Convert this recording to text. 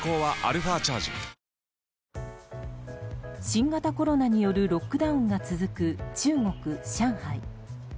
新型コロナによるロックダウンが続く中国・上海。